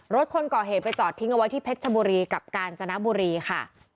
คนก่อเหตุไปจอดทิ้งเอาไว้ที่เพชรชบุรีกับกาญจนบุรีค่ะ